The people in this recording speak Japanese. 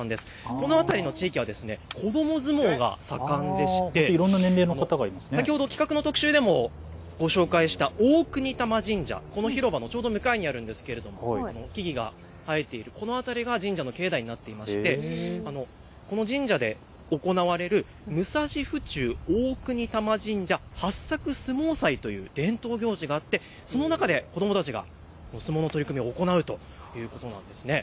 この辺りの地域は子ども相撲が盛んでして先ほど企画の特集でもご紹介した大國魂神社、この広場の向かいにあるんですが木々が生えているこの辺りが神社の境内になっていましてこの神社で行われる武蔵府中大國魂神社八朔相撲祭という伝統行事があってその中で子どもたちが相撲の取組を行うということなんです。